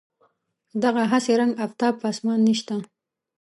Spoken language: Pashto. دغه هسې رنګ آفتاب په اسمان نشته.